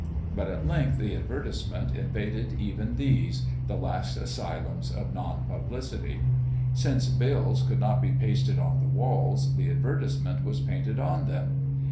But at length the advertisement invaded even these, the last asylums of non publicity. Since bills could not be pasted on the walls, the advertisement was painted on them.